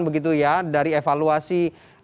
begitu ya dari evaluasi